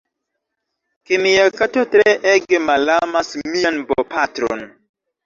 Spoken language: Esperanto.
ke mia kato tre ege malamas mian bopatron.